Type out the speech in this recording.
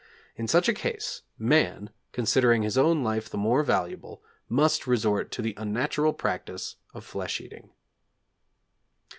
In such a case, man, considering his own life the more valuable, must resort to the unnatural practice of flesh eating.